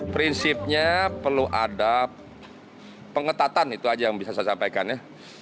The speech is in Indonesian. prinsipnya perlu ada pengetatan itu aja yang bisa saya sampaikan ya